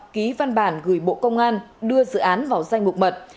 ký văn bản gửi bộ công an đưa dự án vào danh mục mật